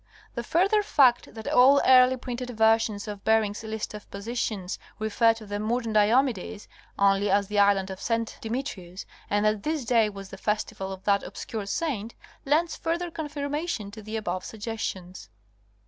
The further fact that all early printed versions of Bering's list of positions, refer to the modern Diomedes only as the island of St. Demetrius and that this day was the festival of that obscure saint, lends further confirmation to the above suggestions.